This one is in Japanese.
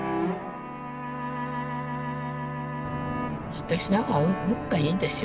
私なんか運がいいんですよ。